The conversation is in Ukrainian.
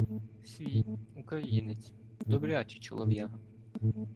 Свій, українець, добрячий чолов'яга.